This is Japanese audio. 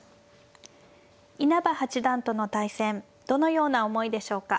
稲葉八段との対戦どのような思いでしょうか。